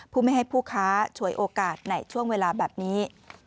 ไม่ให้ผู้ค้าฉวยโอกาสในช่วงเวลาแบบนี้